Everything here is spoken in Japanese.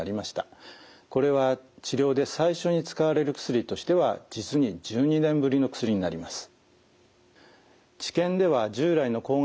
これは治療で最初に使われる薬としては実に１２年ぶりの薬になります。